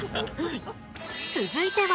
続いては。